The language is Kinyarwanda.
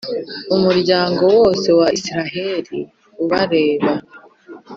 umuryango wose wa Israheli ubareba!